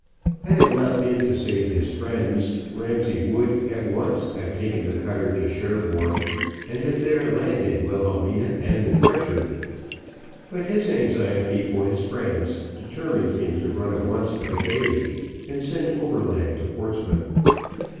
Had it not been to save his friends, Ramsay would, at once, have taken the cutter to Cherbourg, and have there landed Wilhelmina and the treasure; but his anxiety for his friends, determined him to run at once for the cave, and send overland to Portsmouth.